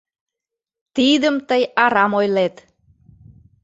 Тидым тый арам ойлет...